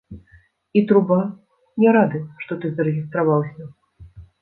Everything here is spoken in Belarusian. І труба, не рады, што ты зарэгістраваўся.